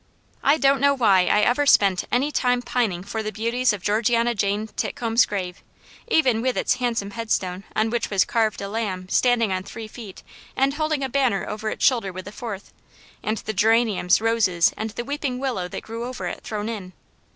I don't know why I ever spent any time pining for the beauties of Georgiana Jane Titcomb's grave, even with its handsome headstone on which was carved a lamb standing on three feet and holding a banner over its shoulder with the fourth, and the geraniums, roses, and the weeping willow that grew over it, thrown in.